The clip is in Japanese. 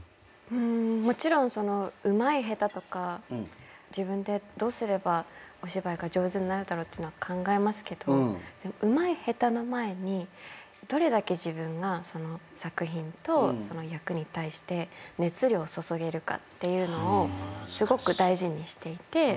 もちろんうまい下手とか自分でどうすればお芝居が上手になるだろうっていうのは考えますけどでもうまい下手の前にどれだけ自分がその作品と役に対して熱量を注げるかっていうのをすごく大事にしていて。